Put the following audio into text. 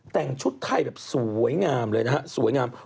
แต่งชุดไทยแบบสวยงามเลยนะฮะสวยงาม